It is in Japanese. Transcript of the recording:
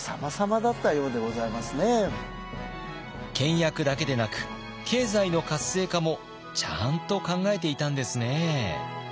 倹約だけでなく経済の活性化もちゃんと考えていたんですね。